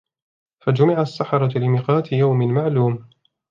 فَجُمِعَ السَّحَرَةُ لِمِيقَاتِ يَوْمٍ مَعْلُومٍ